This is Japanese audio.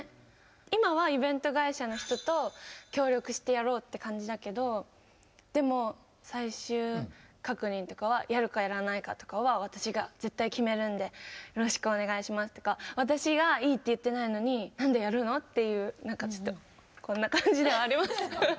今はイベント会社の人と協力してやろうって感じだけどでも最終確認とかはやるかやらないかとかは私が絶対決めるんでよろしくお願いしますとか私がいいって言ってないのに何でやるの？っていう何かちょっとこんな感じではあります。